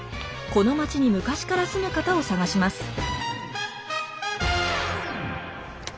この町に昔から住む方を探します。